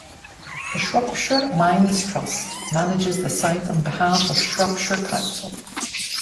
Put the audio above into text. The Shropshire Mines Trust manages the site on behalf of Shropshire Council.